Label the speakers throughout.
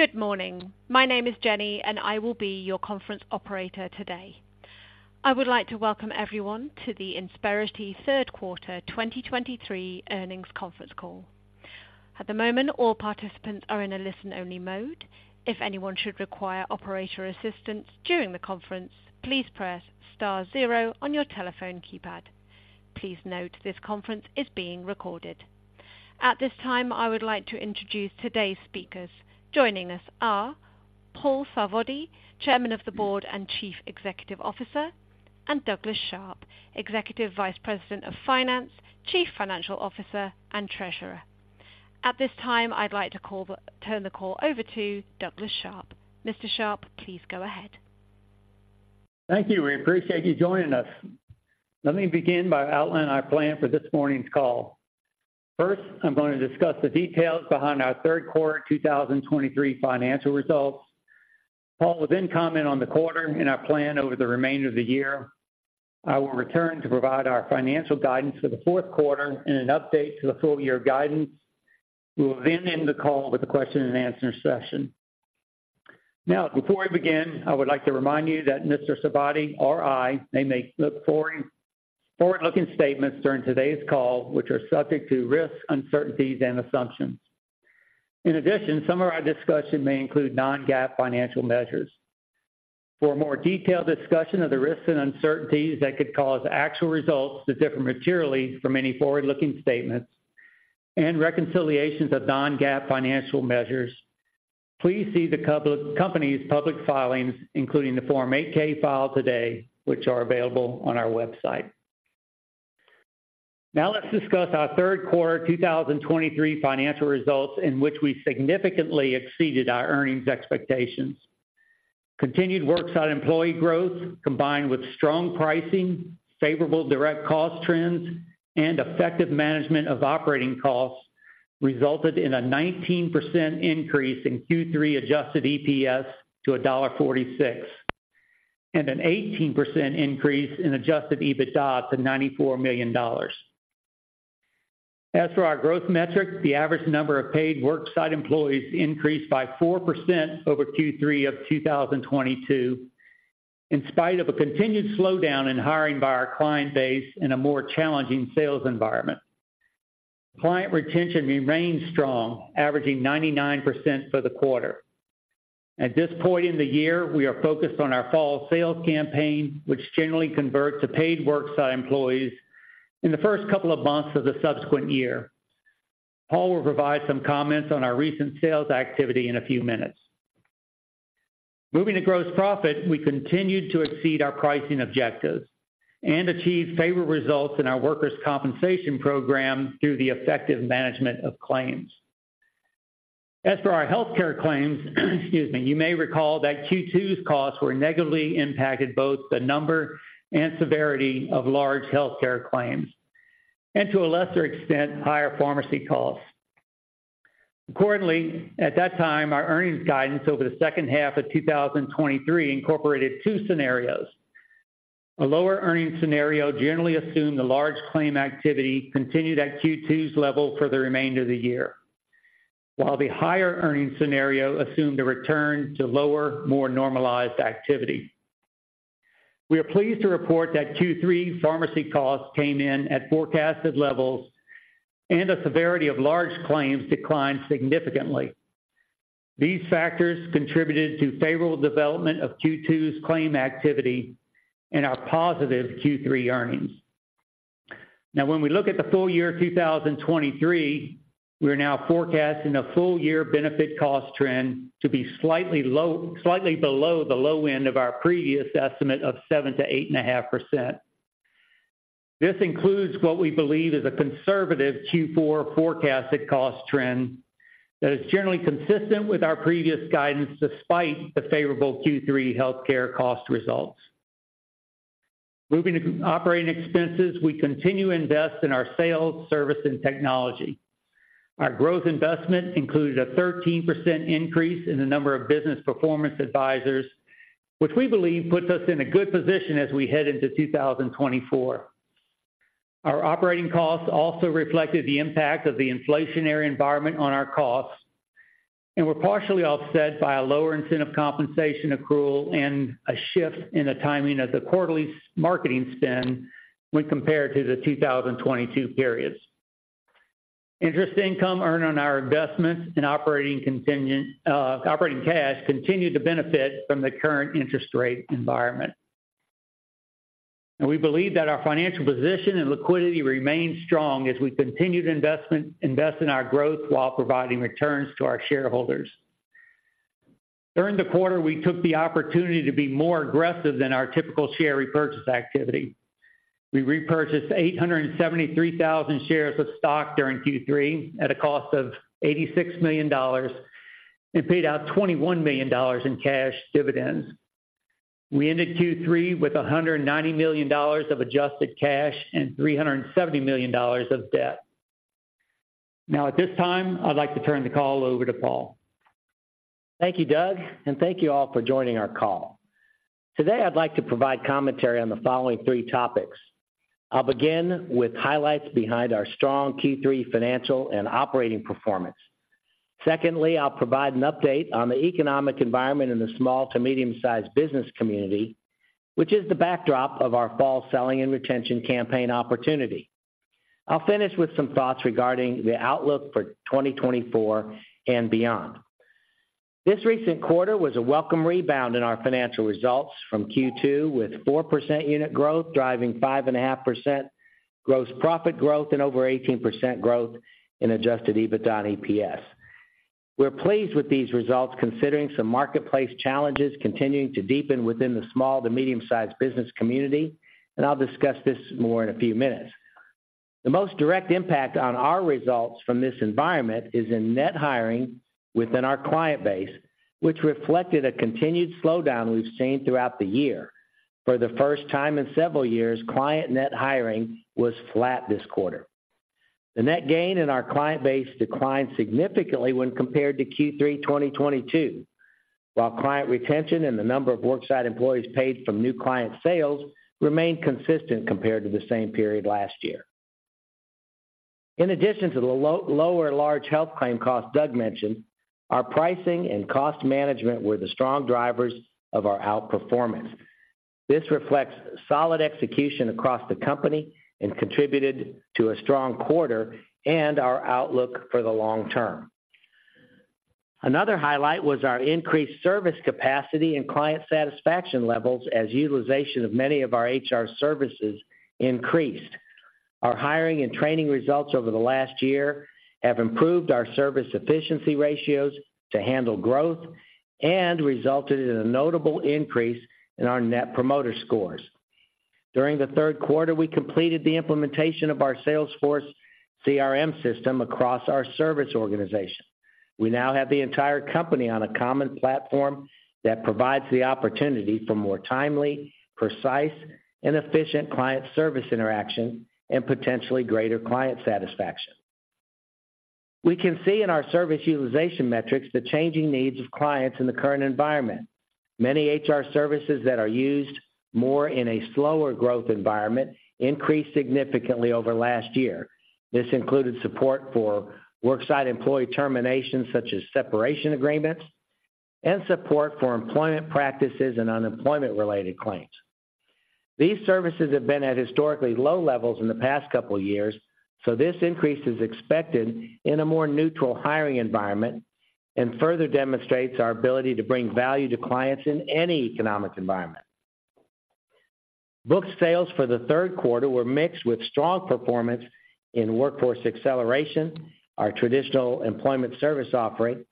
Speaker 1: Good morning. My name is Jenny, and I will be your conference operator today. I would like to welcome everyone to the Insperity Q3 2023 Earnings Conference Call. At the moment, all participants are in a listen-only mode. If anyone should require operator assistance during the conference, please press star zero on your telephone keypad. Please note, this conference is being recorded. At this time, I would like to introduce today's speakers. Joining us are Paul Sarvadi, Chairman of the Board and Chief Executive Officer, and Douglas Sharp, Executive Vice President of Finance, Chief Financial Officer, and Treasurer. At this time, I'd like to turn the call over to Douglas Sharp. Mr. Sharp, please go ahead.
Speaker 2: Thank you. We appreciate you joining us. Let me begin by outlining our plan for this morning's call. First, I'm going to discuss the details behind our Q3 2023 Financial Results. Paul will then comment on the quarter and our plan over the remainder of the year. I will return to provide our financial guidance for the Q4 and an update to the full year guidance. We will then end the call with a Q&A session. Now, before we begin, I would like to remind you that Mr. Sarvadi or I may make forward-looking statements during today's call, which are subject to risks, uncertainties, and assumptions. In addition, some of our discussion may include non-GAAP financial measures. For a more detailed discussion of the risks and uncertainties that could cause actual results to differ materially from any forward-looking statements and reconciliations of non-GAAP financial measures, please see the company's public filings, including the Form 8-K filed today, which are available on our website. Now, let's discuss our Q3 2023 financial results, in which we significantly exceeded our earnings expectations. Continued worksite employee growth, combined with strong pricing, favorable direct cost trends, and effective management of operating costs, resulted in a 19% increase in Q3 adjusted EPS to $1.46, and an 18% increase in adjusted EBITDA to $94 million. As for our growth metrics, the average number of paid worksite employees increased by 4% over Q3 of 2022, in spite of a continued slowdown in hiring by our client base in a more challenging sales environment. Client retention remains strong, averaging 99% for the quarter. At this point in the year, we are focused on our fall sales campaign, which generally converts to paid worksite employees in the first couple of months of the subsequent year. Paul will provide some comments on our recent sales activity in a few minutes. Moving to gross profit, we continued to exceed our pricing objectives and achieved favorable results in our workers' compensation program through the effective management of claims. As for our healthcare claims, excuse me, you may recall that Q2's costs were negatively impacted, both the number and severity of large healthcare claims, and to a lesser extent, higher pharmacy costs. Accordingly, at that time, our earnings guidance over the second half of 2023 incorporated two scenarios. A lower earnings scenario generally assumed the large claim activity continued at Q2's level for the remainder of the year, while the higher earnings scenario assumed a return to lower, more normalized activity. We are pleased to report that Q3 pharmacy costs came in at forecasted levels and the severity of large claims declined significantly. These factors contributed to favorable development of Q2's claim activity and our positive Q3 earnings. Now, when we look at the full year 2023, we are now forecasting a full-year benefit cost trend to be slightly low, slightly below the low end of our previous estimate of 7%-8.5%. This includes what we believe is a conservative Q4 forecasted cost trend that is generally consistent with our previous guidance, despite the favorable Q3 healthcare cost results. Moving to operating expenses, we continue to invest in our sales, service, and technology. Our growth investment included a 13% increase in the number of Business Performance Advisors, which we believe puts us in a good position as we head into 2024. Our operating costs also reflected the impact of the inflationary environment on our costs and were partially offset by a lower incentive compensation accrual and a shift in the timing of the quarterly marketing spend when compared to the 2022 periods. Interest income earned on our investments in operating cash continued to benefit from the current interest rate environment. We believe that our financial position and liquidity remain strong as we continue to invest in our growth while providing returns to our shareholders. During the quarter, we took the opportunity to be more aggressive than our typical share repurchase activity. We repurchased 873,000 shares of stock during Q3 at a cost of $86 million and paid out $21 million in cash dividends. We ended Q3 with $190 million of adjusted cash and $370 million of debt. Now, at this time, I'd like to turn the call over to Paul.
Speaker 3: Thank you, Doug, and thank you all for joining our call. ...Today, I'd like to provide commentary on the following 3 topics. I'll begin with highlights behind our strong Q3 financial and operating performance. Secondly, I'll provide an update on the economic environment in the small to medium-sized business community, which is the backdrop of our fall selling and retention campaign opportunity. I'll finish with some thoughts regarding the outlook for 2024 and beyond. This recent quarter was a welcome rebound in our financial results from Q2, with 4% unit growth, driving 5.5% gross profit growth and over 18% growth in Adjusted EBITDA and EPS. We're pleased with these results, considering some marketplace challenges continuing to deepen within the small to medium-sized business community, and I'll discuss this more in a few minutes. The most direct impact on our results from this environment is in net hiring within our client base, which reflected a continued slowdown we've seen throughout the year. For the first time in several years, client net hiring was flat this quarter. The net gain in our client base declined significantly when compared to Q3 2022, while client retention and the number of worksite employees paid from new client sales remained consistent compared to the same period last year. In addition to the lower large health claim costs Doug mentioned, our pricing and cost management were the strong drivers of our outperformance. This reflects solid execution across the company and contributed to a strong quarter and our outlook for the long term. Another highlight was our increased service capacity and client satisfaction levels as utilization of many of our HR services increased. Our hiring and training results over the last year have improved our service efficiency ratios to handle growth and resulted in a notable increase in our Net Promoter Scores. During the Q3, we completed the implementation of our Salesforce CRM system across our service organization. We now have the entire company on a common platform that provides the opportunity for more timely, precise, and efficient client service interaction and potentially greater client satisfaction. We can see in our service utilization metrics the changing needs of clients in the current environment. Many HR services that are used more in a slower growth environment increased significantly over last year. This included support for worksite employee terminations, such as separation agreements, and support for employment practices and unemployment-related claims. These services have been at historically low levels in the past couple of years, so this increase is expected in a more neutral hiring environment and further demonstrates our ability to bring value to clients in any economic environment. Booked sales for the Q3 were mixed with strong performance in Workforce Acceleration, our traditional employment service offering,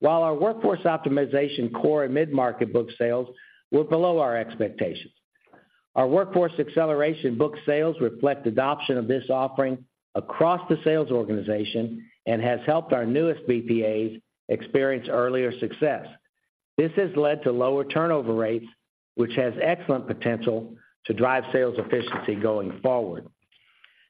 Speaker 3: while our Workforce Optimization core and mid-market book sales were below our expectations. Our Workforce Acceleration book sales reflect adoption of this offering across the sales organization and has helped our newest BPAs experience earlier success. This has led to lower turnover rates, which has excellent potential to drive sales efficiency going forward.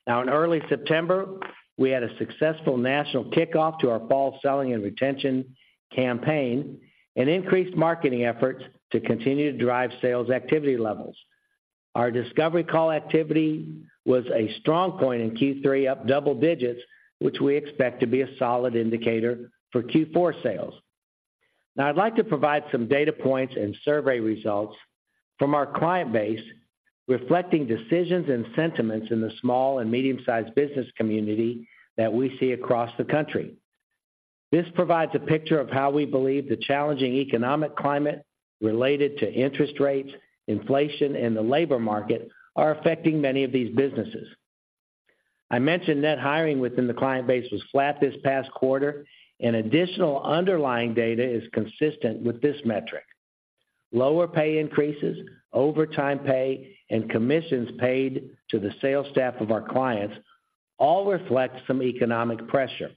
Speaker 3: Now, in early September, we had a successful national kickoff to our fall selling and retention campaign and increased marketing efforts to continue to drive sales activity levels. Our discovery call activity was a strong point in Q3, up double digits, which we expect to be a solid indicator for Q4 sales. Now, I'd like to provide some data points and survey results from our client base, reflecting decisions and sentiments in the small and medium-sized business community that we see across the country. This provides a picture of how we believe the challenging economic climate related to interest rates, inflation, and the labor market are affecting many of these businesses. I mentioned net hiring within the client base was flat this past quarter, and additional underlying data is consistent with this metric. Lower pay increases, overtime pay, and commissions paid to the sales staff of our clients all reflect some economic pressure.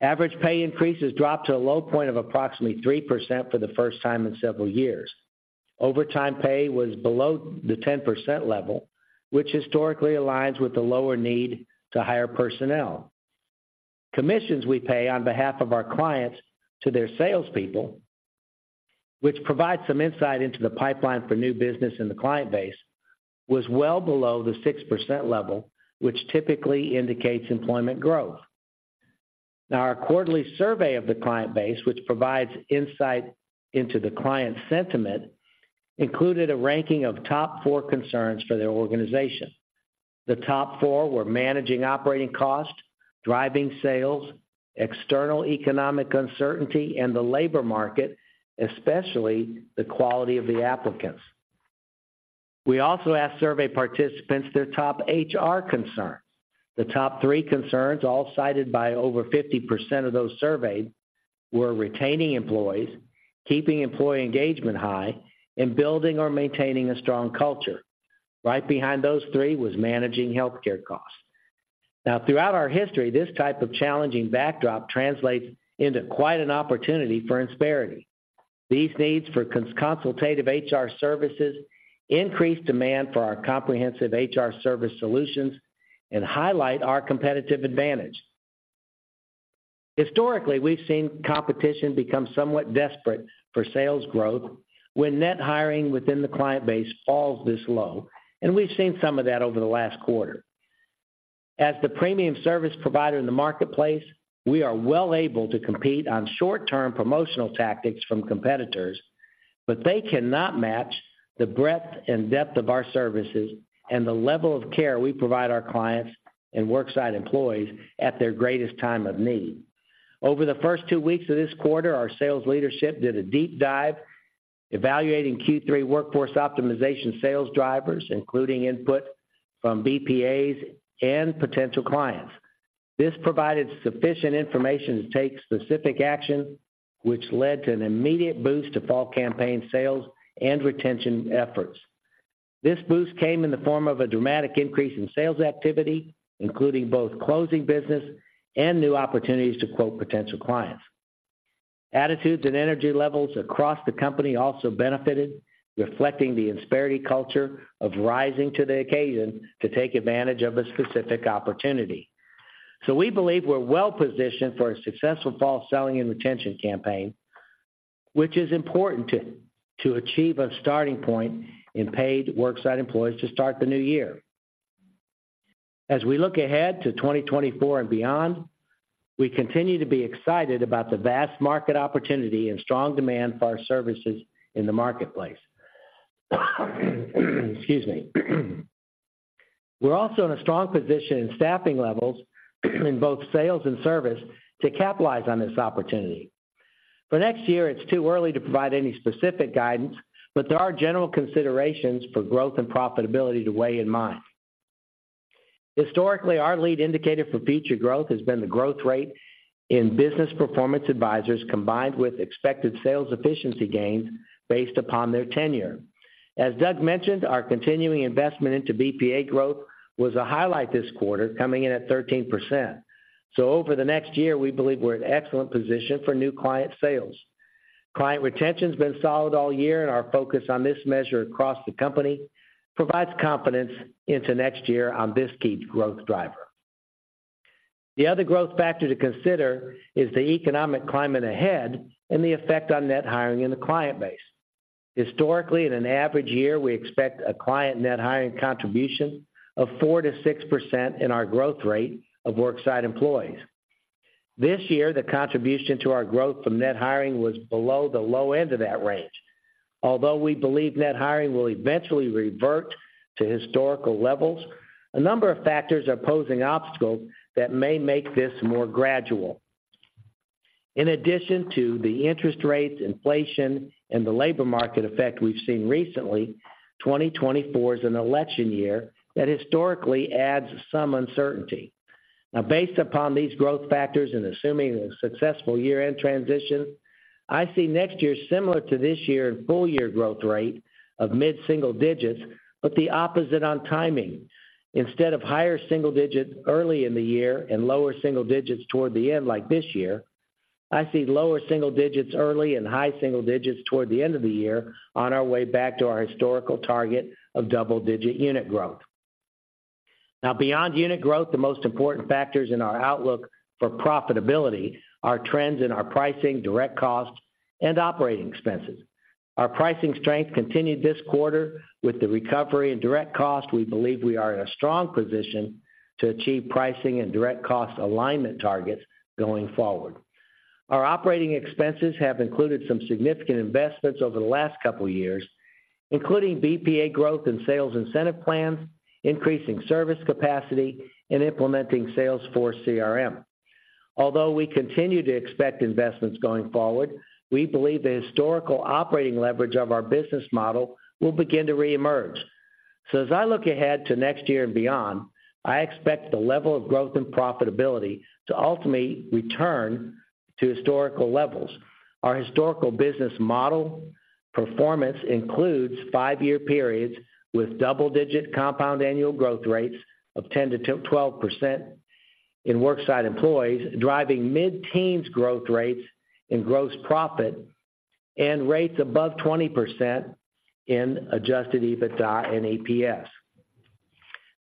Speaker 3: Average pay increases dropped to a low point of approximately 3% for the first time in several years. Overtime pay was below the 10% level, which historically aligns with the lower need to hire personnel. Commissions we pay on behalf of our clients to their salespeople, which provides some insight into the pipeline for new business in the client base, was well below the 6% level, which typically indicates employment growth. Now, our quarterly survey of the client base, which provides insight into the client sentiment, included a ranking of top four concerns for their organization. The top four were managing operating costs, driving sales, external economic uncertainty, and the labor market, especially the quality of the applicants. We also asked survey participants their top HR concern. The top three concerns, all cited by over 50% of those surveyed, were retaining employees, keeping employee engagement high, and building or maintaining a strong culture. Right behind those three was managing healthcare costs. Now, throughout our history, this type of challenging backdrop translates into quite an opportunity for Insperity. These needs for consultative HR services increase demand for our comprehensive HR service solutions and highlight our competitive advantage.... Historically, we've seen competition become somewhat desperate for sales growth when net hiring within the client base falls this low, and we've seen some of that over the last quarter. As the premium service provider in the marketplace, we are well able to compete on short-term promotional tactics from competitors, but they cannot match the breadth and depth of our services and the level of care we provide our clients and worksite employees at their greatest time of need. Over the first two weeks of this quarter, our sales leadership did a deep dive, evaluating Q3 Workforce Optimization sales drivers, including input from BPAs and potential clients. This provided sufficient information to take specific action, which led to an immediate boost to fall campaign sales and retention efforts. This boost came in the form of a dramatic increase in sales activity, including both closing business and new opportunities to quote potential clients. Attitudes and energy levels across the company also benefited, reflecting the Insperity culture of rising to the occasion to take advantage of a specific opportunity. So we believe we're well positioned for a successful fall selling and retention campaign, which is important to achieve a starting point in paid worksite employees to start the new year. As we look ahead to 2024 and beyond, we continue to be excited about the vast market opportunity and strong demand for our services in the marketplace. Excuse me. We're also in a strong position in staffing levels, in both sales and service, to capitalize on this opportunity. For next year, it's too early to provide any specific guidance, but there are general considerations for growth and profitability to weigh in mind. Historically, our lead indicator for future growth has been the growth rate in business performance advisors, combined with expected sales efficiency gains based upon their tenure. As Doug mentioned, our continuing investment into BPA growth was a highlight this quarter, coming in at 13%. So over the next year, we believe we're in excellent position for new client sales. Client retention's been solid all year, and our focus on this measure across the company provides confidence into next year on this key growth driver. The other growth factor to consider is the economic climate ahead and the effect on net hiring in the client base. Historically, in an average year, we expect a client net hiring contribution of 4%-6% in our growth rate of worksite employees. This year, the contribution to our growth from net hiring was below the low end of that range. Although we believe net hiring will eventually revert to historical levels, a number of factors are posing obstacles that may make this more gradual. In addition to the interest rates, inflation, and the labor market effect we've seen recently, 2024 is an election year that historically adds some uncertainty. Now, based upon these growth factors, and assuming a successful year-end transition, I see next year similar to this year in full year growth rate of mid-single digits, but the opposite on timing. Instead of higher single digits early in the year and lower single digits toward the end, like this year, I see lower single digits early and high single digits toward the end of the year on our way back to our historical target of double-digit unit growth. Now, beyond unit growth, the most important factors in our outlook for profitability are trends in our pricing, direct costs, and operating expenses. Our pricing strength continued this quarter with the recovery in direct costs. We believe we are in a strong position to achieve pricing and direct cost alignment targets going forward. Our operating expenses have included some significant investments over the last couple of years, including BPA growth and sales incentive plans, increasing service capacity, and implementing Salesforce CRM. Although we continue to expect investments going forward, we believe the historical operating leverage of our business model will begin to reemerge. So as I look ahead to next year and beyond, I expect the level of growth and profitability to ultimately return to historical levels. Our historical business model performance includes five-year periods with double-digit compound annual growth rates of 10%-12% in worksite employees, driving mid-teens growth rates in gross profit and rates above 20% in adjusted EBITDA and EPS.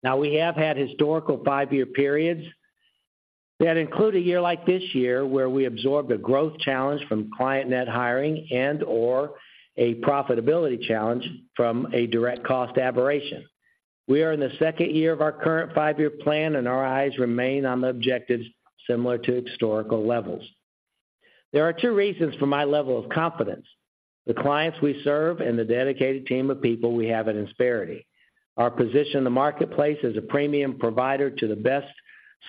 Speaker 3: Now, we have had historical five-year periods that include a year like this year, where we absorbed a growth challenge from client net hiring and/or a profitability challenge from a direct cost aberration. We are in the second year of our current five-year plan, and our eyes remain on the objectives similar to historical levels. There are two reasons for my level of confidence: the clients we serve and the dedicated team of people we have at Insperity. Our position in the marketplace as a premium provider to the best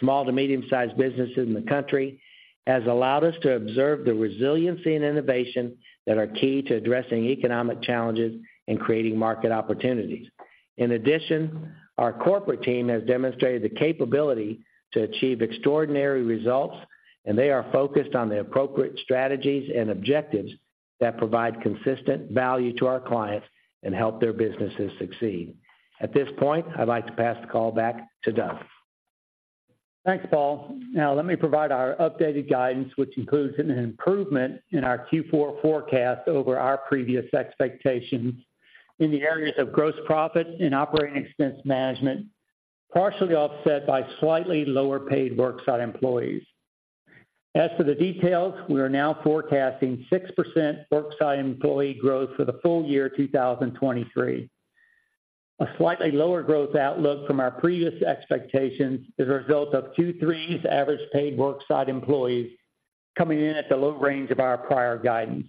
Speaker 3: small to medium-sized businesses in the country, has allowed us to observe the resiliency and innovation that are key to addressing economic challenges and creating market opportunities. In addition, our corporate team has demonstrated the capability to achieve extraordinary results, and they are focused on the appropriate strategies and objectives that provide consistent value to our clients and help their businesses succeed. At this point, I'd like to pass the call back to Doug.
Speaker 2: Thanks, Paul. Now let me provide our updated guidance, which includes an improvement in our Q4 forecast over our previous expectations in the areas of gross profit and operating expense management.... partially offset by slightly lower paid worksite employees. As for the details, we are now forecasting 6% worksite employee growth for the full year, 2023. A slightly lower growth outlook from our previous expectations is a result of Q3's average paid worksite employees coming in at the low range of our prior guidance.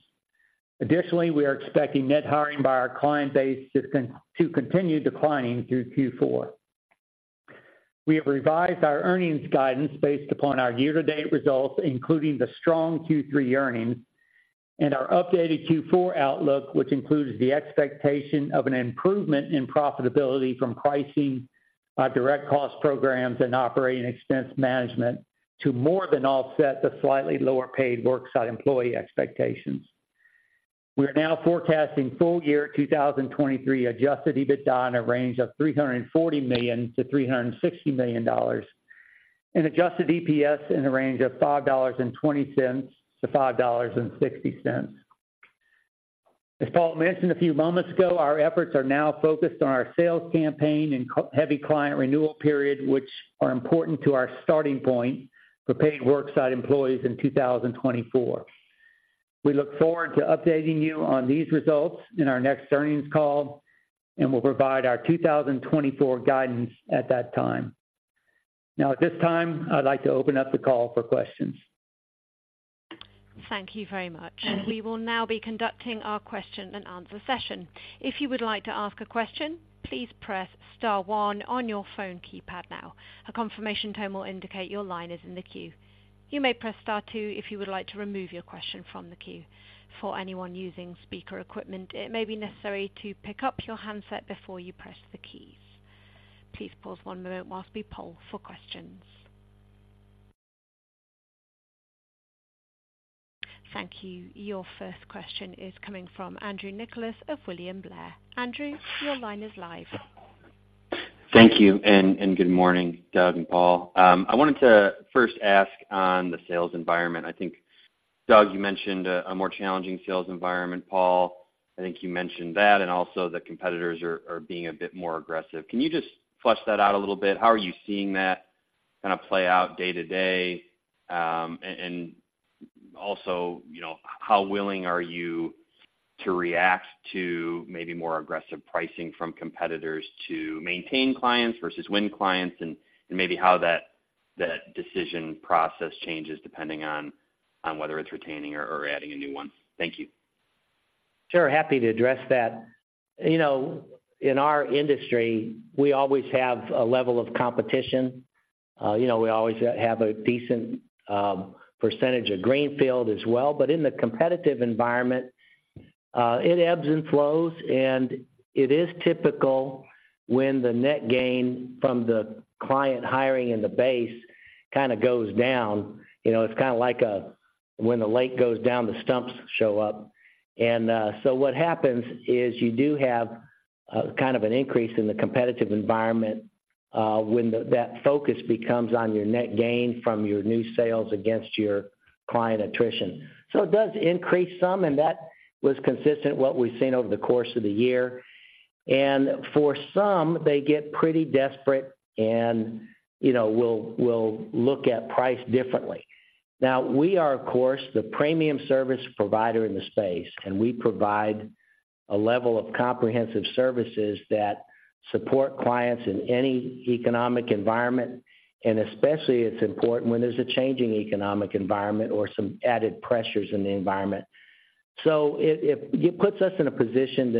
Speaker 2: Additionally, we are expecting net hiring by our client base to continue declining through Q4. We have revised our earnings guidance based upon our year-to-date results, including the strong Q3 earnings and our updated Q4 outlook, which includes the expectation of an improvement in profitability from pricing, direct cost programs, and operating expense management, to more than offset the slightly lower paid worksite employee expectations. We are now forecasting full year 2023 Adjusted EBITDA in a range of $340 million-$360 million, and Adjusted EPS in a range of $5.20-$5.60. As Paul mentioned a few moments ago, our efforts are now focused on our sales campaign and heavy client renewal period, which are important to our starting point for paid worksite employees in 2024. We look forward to updating you on these results in our next earnings call, and we'll provide our 2024 guidance at that time. Now, at this time, I'd like to open up the call for questions.
Speaker 1: Thank you very much. We will now be conducting our Q&A session. If you would like to ask a question, please press star one on your phone keypad now. A confirmation tone will indicate your line is in the queue. You may press star two if you would like to remove your question from the queue. For anyone using speaker equipment, it may be necessary to pick up your handset before you press the keys. Please pause one moment while we poll for questions. Thank you. Your first question is coming from Andrew Nicholas of William Blair. Andrew, your line is live.
Speaker 4: Thank you, and good morning, Doug and Paul. I wanted to first ask on the sales environment. I think, Doug, you mentioned a more challenging sales environment. Paul, I think you mentioned that, and also the competitors are being a bit more aggressive. Can you just flesh that out a little bit? How are you seeing that kind of play out day to day? And also, you know, how willing are you to react to maybe more aggressive pricing from competitors to maintain clients versus win clients, and maybe how that decision process changes depending on whether it's retaining or adding a new one? Thank you.
Speaker 3: Sure, happy to address that. You know, in our industry, we always have a level of competition. You know, we always have a decent percentage of greenfield as well. But in the competitive environment, it ebbs and flows, and it is typical when the net gain from the client hiring in the base kind of goes down. You know, it's kind of like a, when the lake goes down, the stumps show up. And so what happens is you do have kind of an increase in the competitive environment, when that focus becomes on your net gain from your new sales against your client attrition. So it does increase some, and that was consistent with what we've seen over the course of the year. And for some, they get pretty desperate and, you know, will look at price differently. Now, we are, of course, the premium service provider in the space, and we provide a level of comprehensive services that support clients in any economic environment, and especially it's important when there's a changing economic environment or some added pressures in the environment. So it puts us in a position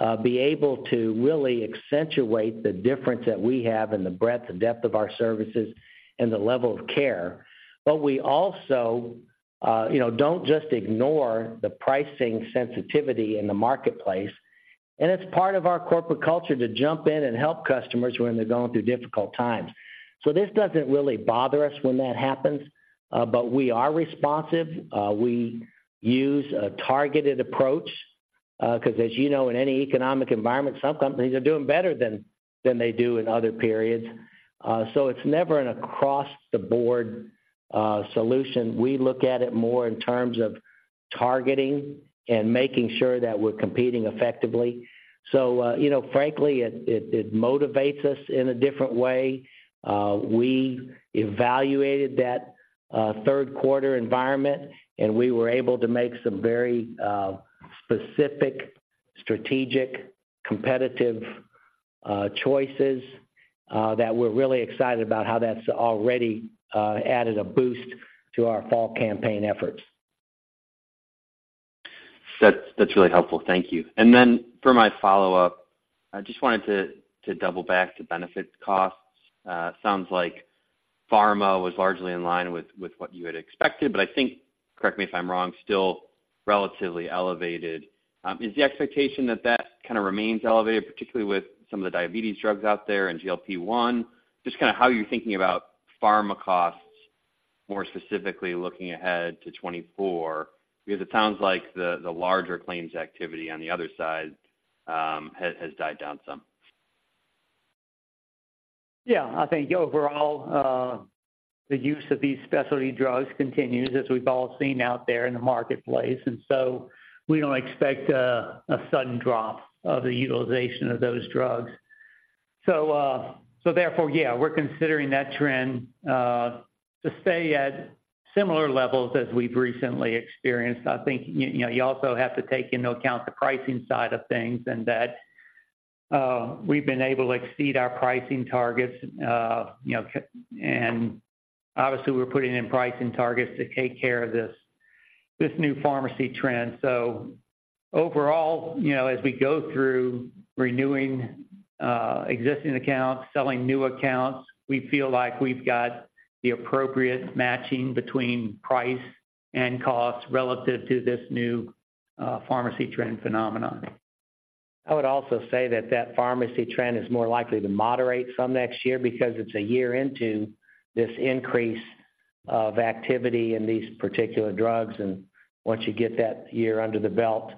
Speaker 3: to be able to really accentuate the difference that we have in the breadth and depth of our services and the level of care. But we also, you know, don't just ignore the pricing sensitivity in the marketplace, and it's part of our corporate culture to jump in and help customers when they're going through difficult times. So this doesn't really bother us when that happens, but we are responsive. We use a targeted approach, 'cause as you know, in any economic environment, some companies are doing better than they do in other periods. So it's never an across-the-board solution. We look at it more in terms of targeting and making sure that we're competing effectively. So, you know, frankly, it motivates us in a different way. We evaluated that Q3 environment, and we were able to make some very specific, strategic, competitive choices that we're really excited about how that's already added a boost to our fall campaign efforts.
Speaker 4: That's, that's really helpful. Thank you. And then for my follow-up, I just wanted to, to double back to benefit costs. Sounds like pharma was largely in line with, with what you had expected, but I think, correct me if I'm wrong, still relatively elevated. Is the expectation that that kind of remains elevated, particularly with some of the diabetes drugs out there and GLP-1? Just kind of how you're thinking about pharma costs, more specifically, looking ahead to 2024, because it sounds like the, the larger claims activity on the other side has, has died down some.
Speaker 3: Yeah. I think overall,... the use of these specialty drugs continues, as we've all seen out there in the marketplace, and so we don't expect a sudden drop of the utilization of those drugs. So, therefore, yeah, we're considering that trend to stay at similar levels as we've recently experienced. I think you know you also have to take into account the pricing side of things, and that we've been able to exceed our pricing targets. And obviously, we're putting in pricing targets to take care of this this new pharmacy trend. So overall, you know, as we go through renewing existing accounts, selling new accounts, we feel like we've got the appropriate matching between price and cost relative to this new pharmacy trend phenomenon. I would also say that pharmacy trend is more likely to moderate some next year because it's a year into this increase of activity in these particular drugs, and once you get that year under the belt,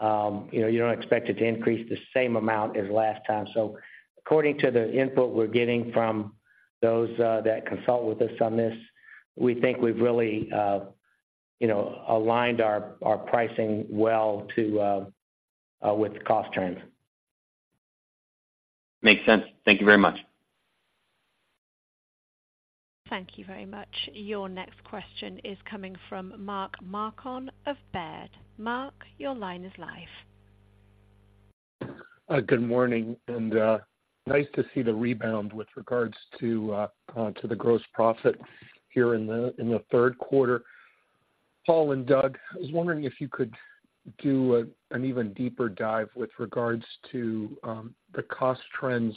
Speaker 3: you know, you don't expect it to increase the same amount as last time. So according to the input we're getting from those that consult with us on this, we think we've really, you know, aligned our pricing well to with the cost trends.
Speaker 4: Makes sense. Thank you very much.
Speaker 1: Thank you very much. Your next question is coming from Mark Marcon of Baird. Mark, your line is live.
Speaker 5: Good morning, and nice to see the rebound with regards to the gross profit here in the Q3. Paul and Doug, I was wondering if you could do an even deeper dive with regards to the cost trends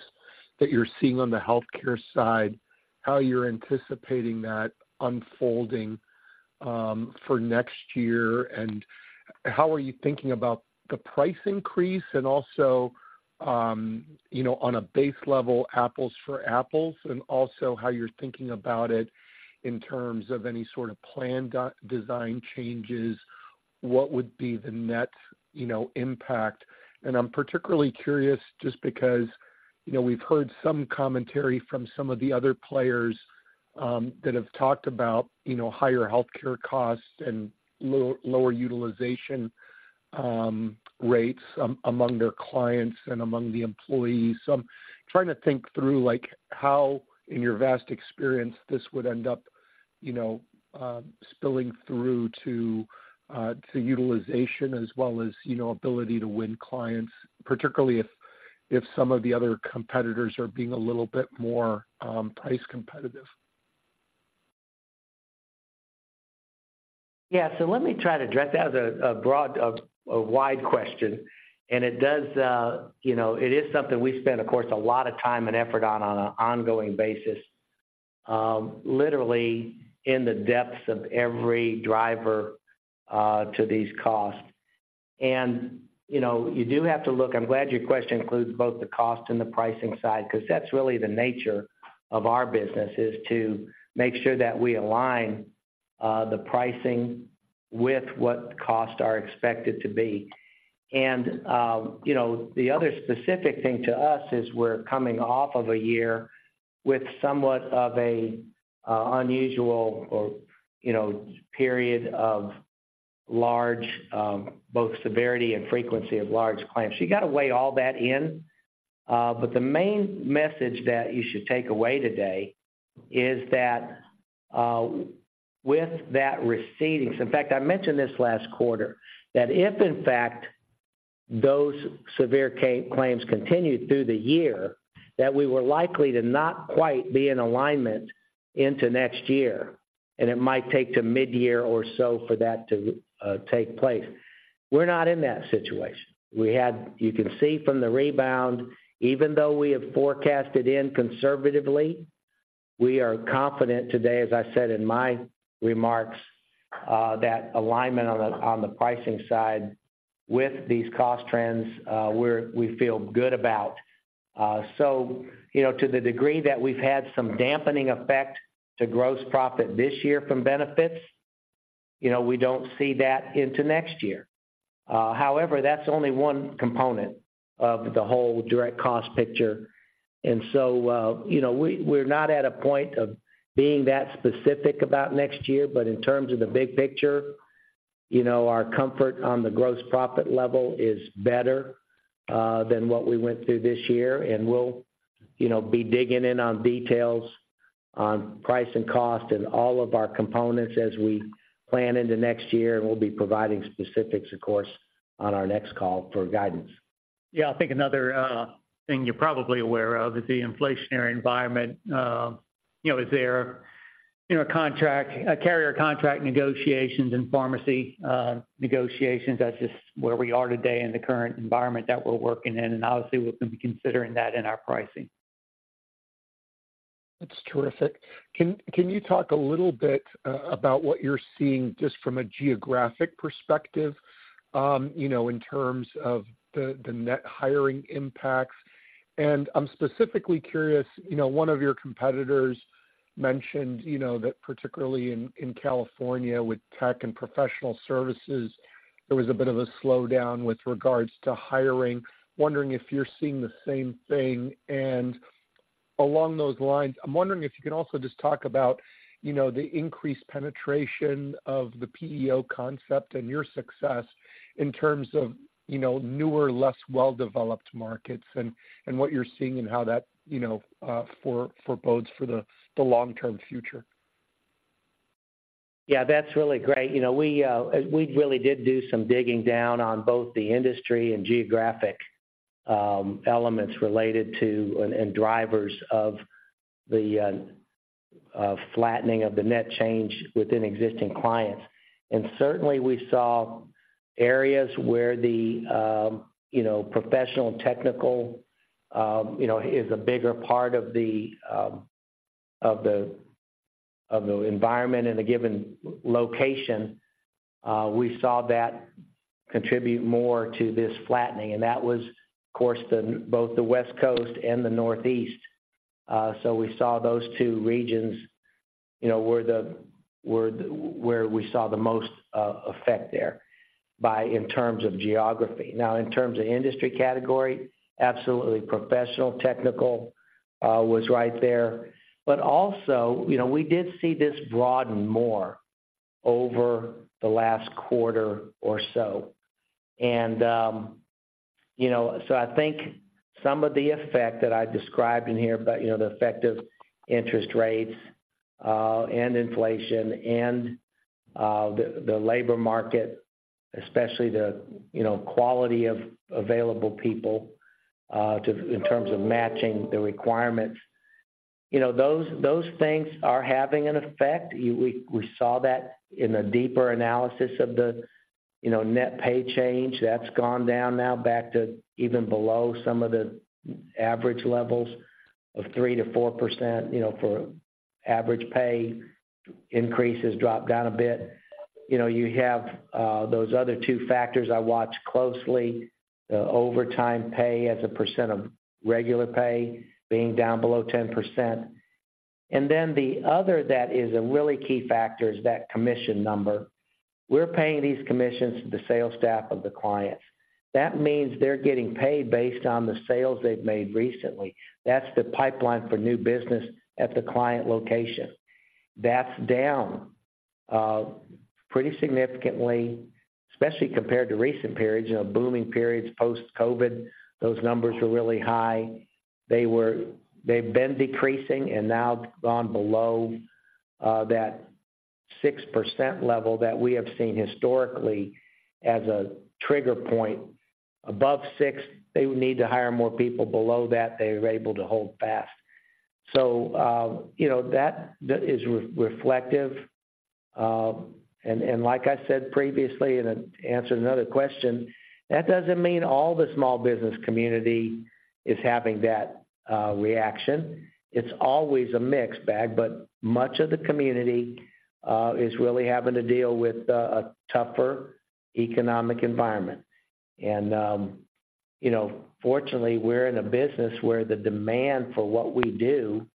Speaker 5: that you're seeing on the healthcare side, how you're anticipating that unfolding for next year, and how are you thinking about the price increase? And also, you know, on a base level, apples for apples, and also how you're thinking about it in terms of any sort of plan design changes, what would be the net, you know, impact? And I'm particularly curious just because, you know, we've heard some commentary from some of the other players that have talked about, you know, higher healthcare costs and lower utilization rates among their clients and among the employees. So I'm trying to think through, like, how, in your vast experience, this would end up, you know, spilling through to utilization as well as, you know, ability to win clients, particularly if some of the other competitors are being a little bit more price competitive.
Speaker 3: Yeah. So let me try to address that. That is a broad, wide question, and it does, you know, it is something we spend, of course, a lot of time and effort on, on an ongoing basis, literally in the depths of every driver to these costs. And, you know, you do have to look... I'm glad your question includes both the cost and the pricing side, 'cause that's really the nature of our business, is to make sure that we align the pricing with what costs are expected to be. And, you know, the other specific thing to us is we're coming off of a year with somewhat of a unusual or, you know, period of large, both severity and frequency of large claims. So you got to weigh all that in. But the main message that you should take away today is that, with that receding, so in fact, I mentioned this last quarter, that if in fact, those severe claims continued through the year, that we were likely to not quite be in alignment into next year, and it might take to midyear or so for that to take place. We're not in that situation. We had. You can see from the rebound, even though we have forecasted in conservatively, we are confident today, as I said in my remarks, that alignment on the, on the pricing side with these cost trends, we're, we feel good about. So, you know, to the degree that we've had some dampening effect to gross profit this year from benefits, you know, we don't see that into next year. However, that's only one component of the whole direct cost picture, and so, you know, we, we're not at a point of being that specific about next year, but in terms of the big picture, you know, our comfort on the gross profit level is better than what we went through this year, and we'll, you know, be digging in on details on price and cost and all of our components as we plan into next year. And we'll be providing specifics, of course, on our next call for guidance.
Speaker 2: Yeah. I think another thing you're probably aware of is the inflationary environment, you know, is there. You know, contract carrier contract negotiations and pharmacy negotiations, that's just where we are today in the current environment that we're working in, and obviously, we'll be considering that in our pricing.
Speaker 5: That's terrific. Can you talk a little bit about what you're seeing just from a geographic perspective, you know, in terms of the net hiring impacts? And I'm specifically curious, you know, one of your competitors mentioned, you know, that particularly in California, with tech and professional services, there was a bit of a slowdown with regards to hiring. Wondering if you're seeing the same thing? And along those lines, I'm wondering if you can also just talk about, you know, the increased penetration of the PEO concept and your success in terms of, you know, newer, less well-developed markets, and what you're seeing and how that, you know, forebodes for the long-term future.
Speaker 3: Yeah, that's really great. You know, we really did do some digging down on both the industry and geographic elements related to, and drivers of the flattening of the net change within existing clients. And certainly, we saw areas where the, you know, professional and technical, you know, is a bigger part of the of the environment in a given location. We saw that contribute more to this flattening, and that was, of course, the both the West Coast and the Northeast. So we saw those two regions, you know, where the where we saw the most effect thereby in terms of geography. Now, in terms of industry category, absolutely, professional, technical was right there. But also, you know, we did see this broaden more over the last quarter or so. You know, so I think some of the effect that I described in here about, you know, the effect of interest rates, and inflation and, the, the labor market, especially the, you know, quality of available people, in terms of matching the requirements. You know, those things are having an effect. We saw that in a deeper analysis of the, you know, net pay change. That's gone down now back to even below some of the average levels of 3%-4%, you know, for average pay increases dropped down a bit. You know, you have those other two factors I watch closely, the overtime pay as a percent of regular pay being down below 10%. And then the other that is a really key factor is that commission number. We're paying these commissions to the sales staff of the clients. That means they're getting paid based on the sales they've made recently. That's the pipeline for new business at the client location. That's down pretty significantly, especially compared to recent periods, you know, booming periods, post-COVID. Those numbers were really high. They've been decreasing and now gone below that 6% level that we have seen historically as a trigger point. Above 6%, they would need to hire more people. Below that, they were able to hold fast. So, you know, that is reflective, and like I said previously, in answering another question, that doesn't mean all the small business community is having that reaction. It's always a mixed bag, but much of the community is really having to deal with a tougher economic environment. You know, fortunately, we're in a business where the demand for what we do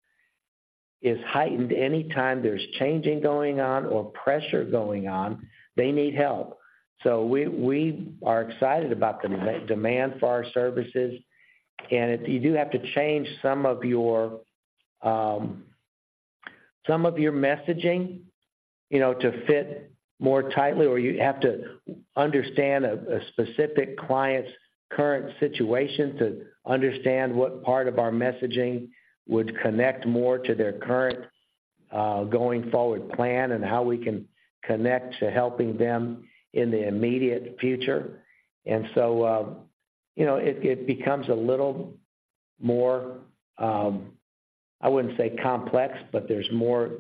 Speaker 3: is heightened. Anytime there's changing going on or pressure going on, they need help. We are excited about the demand for our services, and you do have to change some of your messaging, you know, to fit more tightly, or you have to understand a specific client's current situation to understand what part of our messaging would connect more to their current going-forward plan and how we can connect to helping them in the immediate future. So, you know, it becomes a little more, I wouldn't say complex, but there's more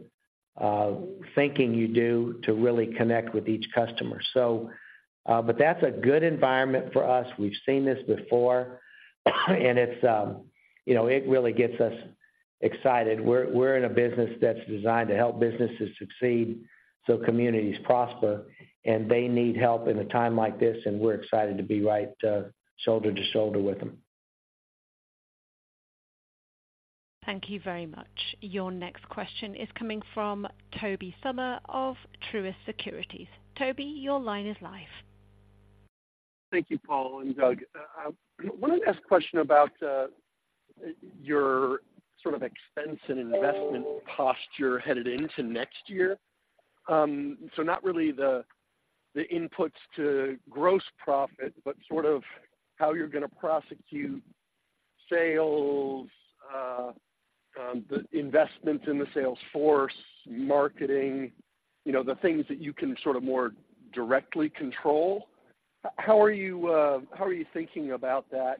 Speaker 3: thinking you do to really connect with each customer. So, but that's a good environment for us. We've seen this before, and it's, you know, it really gets us excited. We're in a business that's designed to help businesses succeed so communities prosper, and they need help in a time like this, and we're excited to be right, shoulder to shoulder with them.
Speaker 1: Thank you very much. Your next question is coming from Tobey Sommer of Truist Securities. Toby, your line is live.
Speaker 6: Thank you, Paul and Doug. I wanted to ask a question about your sort of expense and investment posture headed into next year. So not really the inputs to gross profit, but sort of how you're going to prosecute sales, the investment in the sales force, marketing, you know, the things that you can sort of more directly control. How are you thinking about that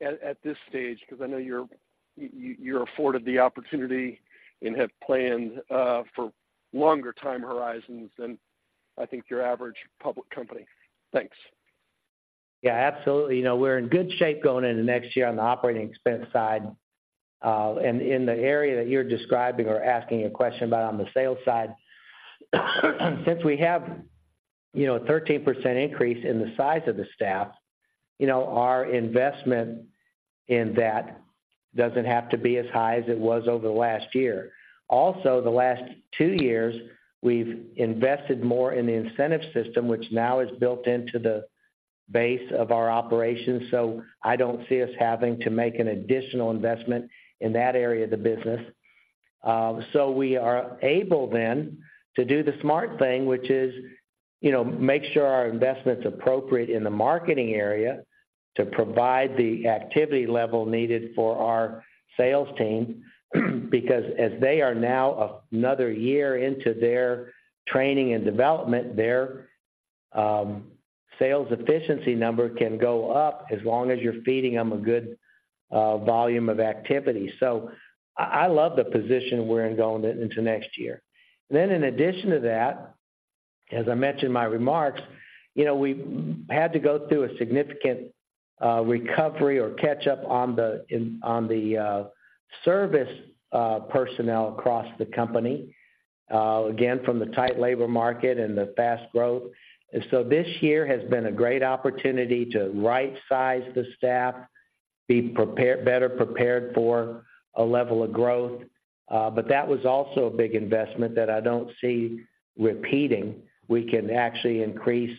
Speaker 6: at this stage? Because I know you're afforded the opportunity and have planned for longer time horizons than I think your average public company. Thanks.
Speaker 3: Yeah, absolutely. You know, we're in good shape going into next year on the operating expense side. And in the area that you're describing or asking a question about on the sales side, since we have, you know, a 13% increase in the size of the staff, you know, and that doesn't have to be as high as it was over the last year. Also, the last two years, we've invested more in the incentive system, which now is built into the base of our operations, so I don't see us having to make an additional investment in that area of the business. So we are able then to do the smart thing, which is, you know, make sure our investment's appropriate in the marketing area to provide the activity level needed for our sales team, because as they are now another year into their training and development, their sales efficiency number can go up as long as you're feeding them a good volume of activity. So I love the position we're in going into next year. Then in addition to that, as I mentioned in my remarks, you know, we've had to go through a significant recovery or catch up on the service personnel across the company, again, from the tight labor market and the fast growth. This year has been a great opportunity to right-size the staff, be prepared, better prepared for a level of growth, but that was also a big investment that I don't see repeating. We can actually increase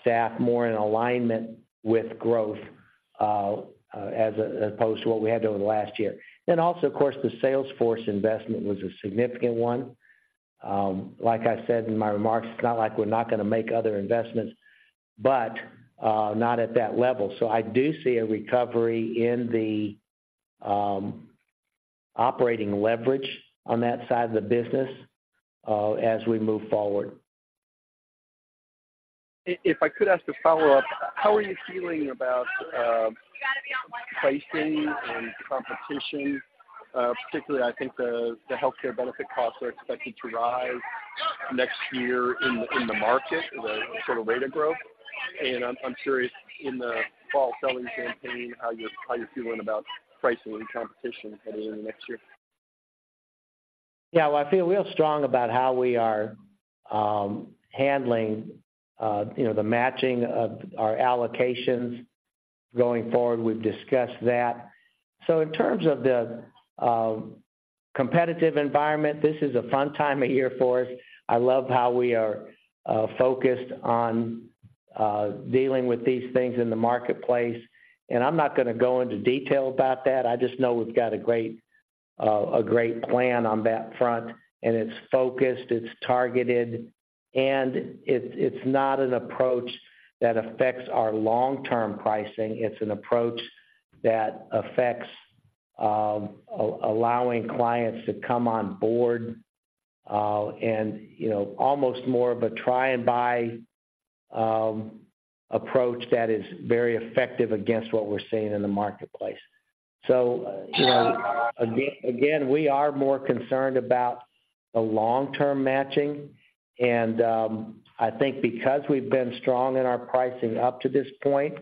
Speaker 3: staff more in alignment with growth, as opposed to what we had over the last year. Also, of course, the sales force investment was a significant one. Like I said in my remarks, it's not like we're not gonna make other investments, but, not at that level. So I do see a recovery in the, operating leverage on that side of the business, as we move forward.
Speaker 6: If I could ask a follow-up, how are you feeling about pricing and competition? Particularly, I think the healthcare benefit costs are expected to rise next year in the market, the sort of rate of growth. And I'm curious, in the fall selling campaign, how you're feeling about pricing and competition heading into next year?
Speaker 3: Yeah, well, I feel real strong about how we are handling, you know, the matching of our allocations going forward. We've discussed that. So in terms of the competitive environment, this is a fun time of year for us. I love how we are focused on dealing with these things in the marketplace, and I'm not gonna go into detail about that. I just know we've got a great, a great plan on that front, and it's focused, it's targeted, and it's not an approach that affects our long-term pricing. It's an approach that affects allowing clients to come on board, and, you know, almost more of a try and buy approach that is very effective against what we're seeing in the marketplace. So, again, we are more concerned about the long-term matching, and I think because we've been strong in our pricing up to this point,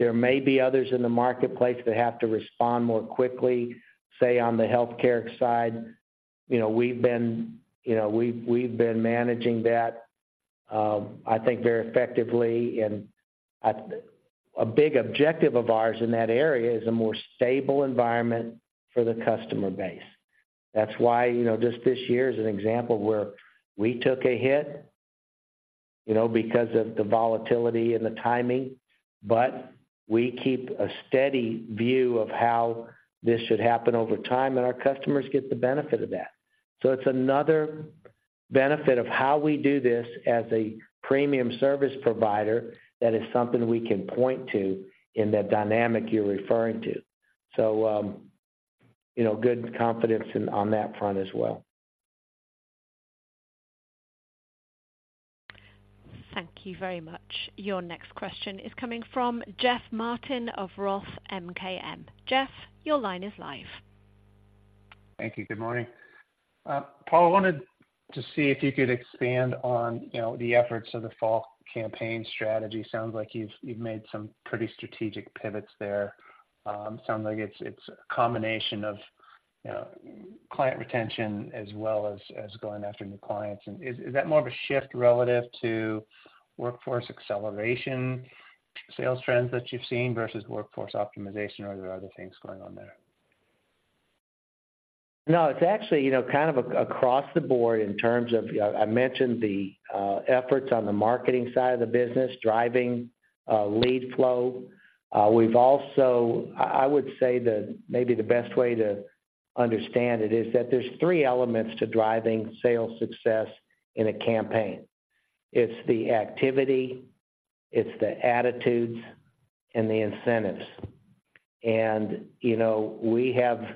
Speaker 3: there may be others in the marketplace that have to respond more quickly, say, on the healthcare side. You know, we've been managing that, I think very effectively. And a big objective of ours in that area is a more stable environment for the customer base. That's why, you know, just this year is an example where we took a hit, you know, because of the volatility and the timing, but we keep a steady view of how this should happen over time, and our customers get the benefit of that. So it's another benefit of how we do this as a premium service provider that is something we can point to in the dynamic you're referring to. So, you know, good confidence in, on that front as well.
Speaker 1: Thank you very much. Your next question is coming from Jeff Martin of Roth MKM. Jeff, your line is live.
Speaker 7: Thank you. Good morning. Paul, I wanted to see if you could expand on, you know, the efforts of the fall campaign strategy. Sounds like you've, you've made some pretty strategic pivots there. Sounds like it's, it's a combination of, you know, client retention as well as, as going after new clients. And is, is that more of a shift relative to Workforce Acceleration sales trends that you've seen versus Workforce Optimization, or are there other things going on there?
Speaker 3: No, it's actually, you know, kind of across the board in terms of the... I mentioned the efforts on the marketing side of the business, driving lead flow. We've also, I would say that maybe the best way to understand it is that there's three elements to driving sales success in a campaign. It's the activity, it's the attitudes, and the incentives. And, you know, we have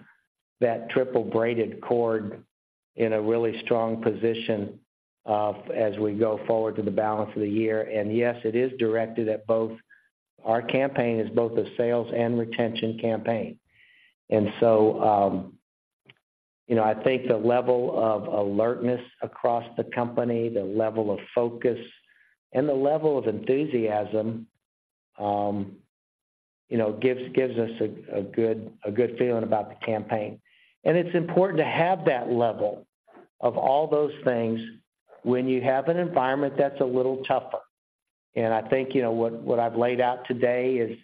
Speaker 3: that triple braided cord in a really strong position as we go forward to the balance of the year. And yes, it is directed at both. Our campaign is both a sales and retention campaign. And so, you know, I think the level of alertness across the company, the level of focus and the level of enthusiasm, you know, gives us a good feeling about the campaign. It's important to have that level of all those things when you have an environment that's a little tougher. And I think, you know, what I've laid out today is,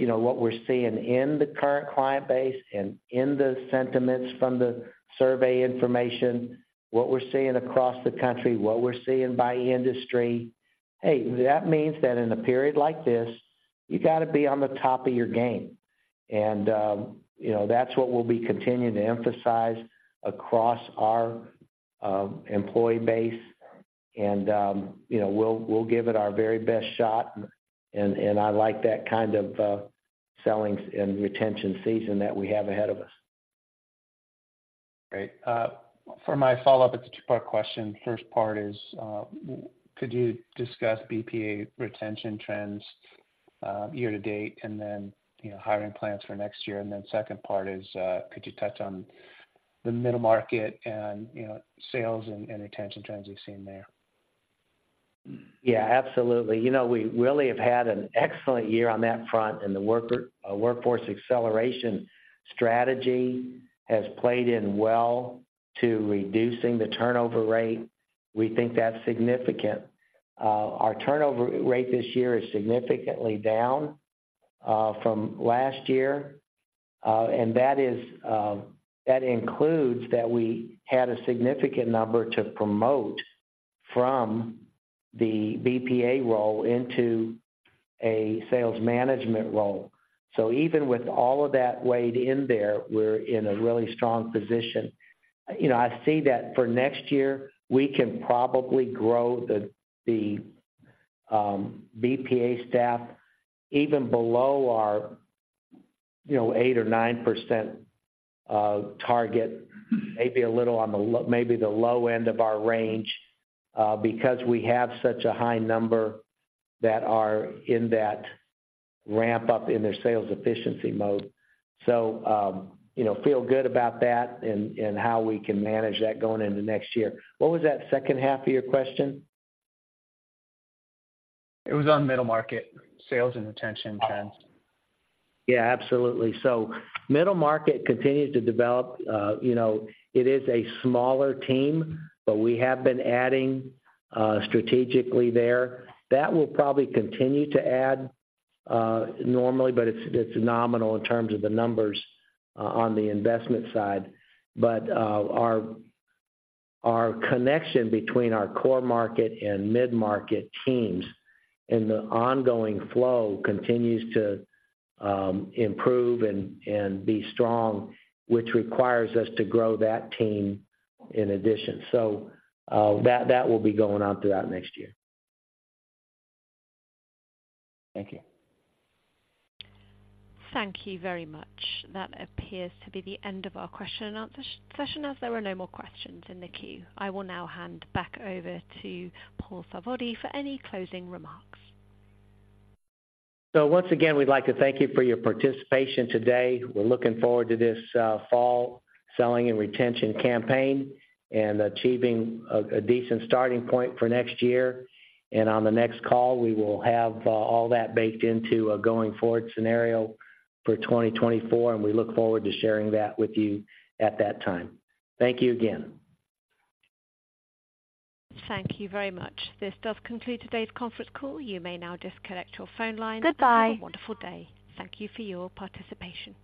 Speaker 3: you know, what we're seeing in the current client base and in the sentiments from the survey information, what we're seeing across the country, what we're seeing by industry. Hey, that means that in a period like this, you got to be on the top of your game. And, you know, that's what we'll be continuing to emphasize across our employee base. And, you know, we'll give it our very best shot, and I like that kind of selling and retention season that we have ahead of us.
Speaker 7: Great. For my follow-up, it's a two-part question. First part is, could you discuss BPA retention trends, year to date, and then, you know, hiring plans for next year? And then second part is, could you touch on the middle market and, you know, sales and retention trends you've seen there?
Speaker 3: Yeah, absolutely. You know, we really have had an excellent year on that front, and the Workforce Acceleration strategy has played in well to reducing the turnover rate. We think that's significant. Our turnover rate this year is significantly down from last year. And that is, that includes that we had a significant number to promote from the BPA role into a sales management role. So even with all of that weighed in there, we're in a really strong position. You know, I see that for next year, we can probably grow the BPA staff even below our, you know, 8% or 9% target, maybe a little on the low, maybe the low end of our range, because we have such a high number that are in that ramp up in their sales efficiency mode. So, you know, feel good about that and how we can manage that going into next year. What was that second half of your question?
Speaker 7: It was on middle market sales and retention trends.
Speaker 3: Yeah, absolutely. So middle market continues to develop. You know, it is a smaller team, but we have been adding strategically there. That will probably continue to add normally, but it's nominal in terms of the numbers on the investment side. But our connection between our core market and mid-market teams and the ongoing flow continues to improve and be strong, which requires us to grow that team in addition. So that will be going on throughout next year. Thank you.
Speaker 1: Thank you very much. That appears to be the end of our Q&A session, as there are no more questions in the queue. I will now hand back over to Paul Sarvadi for any closing remarks.
Speaker 3: Once again, we'd like to thank you for your participation today. We're looking forward to this fall selling and retention campaign and achieving a decent starting point for next year. And on the next call, we will have all that baked into a going-forward scenario for 2024, and we look forward to sharing that with you at that time. Thank you again.
Speaker 1: Thank you very much. This does conclude today's conference call. You may now disconnect your phone line. Goodbye. Have a wonderful day. Thank you for your participation.